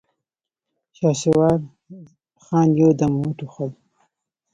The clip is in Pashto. شهسوار خان يودم وټوخل.